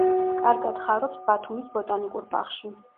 კარგად ხარობს ბათუმის ბოტანიკურ ბაღში.